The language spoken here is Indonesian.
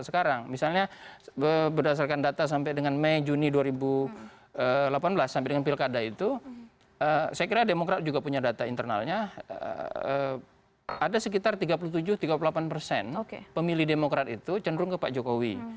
saya kira demokrat juga punya data internalnya ada sekitar tiga puluh tujuh tiga puluh delapan persen pemilih demokrat itu cenderung ke pak jokowi